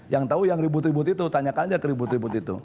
yang tahu yang ribut ribut itu tanyakan aja keribut ribut itu